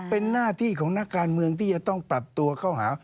เป็นหน้าที่ของนักการเมืองที่จะต้องปรับตัวเข้าหา